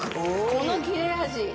この切れ味